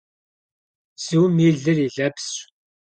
Бзум и лыр, и лэпсщ.